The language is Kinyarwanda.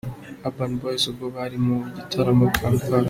Urban Boyz ubwo bari mu gitaramo Kampala.